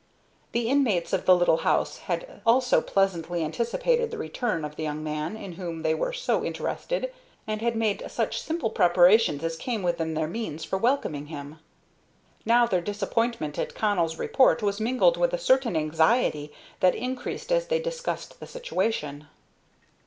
The inmates of the little house had also pleasantly anticipated the return of the young man in whom they were so interested, and had made such simple preparations as came within their means for welcoming him. Now their disappointment at Connell's report was mingled with a certain anxiety that increased as they discussed the situation.